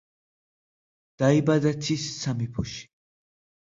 დაიბადა ცის სამეფოში.